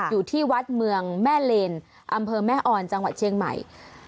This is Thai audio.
อยู่ที่วัดเมืองแม่เลนอำเภอแม่ออนจังหวัดเชียงใหม่